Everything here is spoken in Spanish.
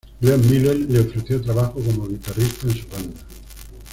Glenn Miller le ofreció trabajo como guitarrista en su banda.